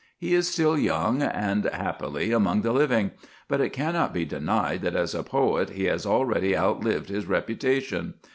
He is still young, and, happily, among the living; but it cannot be denied that as a poet he has already outlived his reputation.